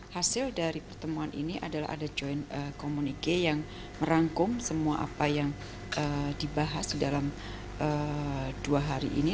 hasil dari pertemuan ini adalah ada joint communique yang merangkum semua apa yang dibahas dalam dua hari ini